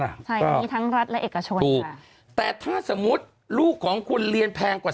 อันนี้ทั้งรัฐและเอกชนค่ะแต่ถ้าสมมุติลูกของคุณเรียนแพงกว่า